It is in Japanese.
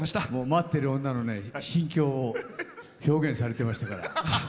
「待っている女」の心境を表現されていましたから。